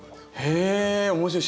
へえ面白い。